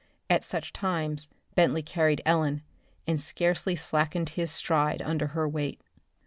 At such times Bentley carried Ellen, and scarcely slackened his stride under her weight.